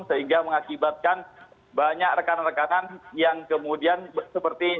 sehingga mengakibatkan banyak rekan rekanan yang kemudian seperti